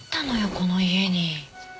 この家に。